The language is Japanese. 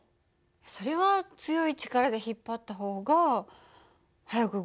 それは強い力で引っ張った方が速く動くんじゃないの？